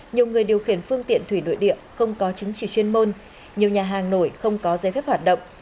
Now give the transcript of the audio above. nhiều người điều khiển phương tiện thủy nội địa không có chứng chỉ chuyên môn nhiều nhà hàng nổi không có dây phép hoạt động